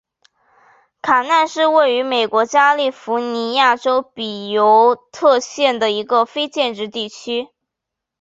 卡纳是位于美国加利福尼亚州比尤特县的一个非建制地区。